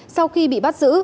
sau khi bị bắt giữ